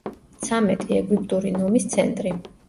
ცამეტი ეგვიპტური ნომის ცენტრი.